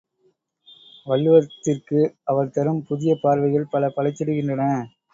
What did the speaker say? வள்ளுவத்திற்கு அவர் தரும் புதிய பார்வைகள் பல பளிச்சிடுகின்றன.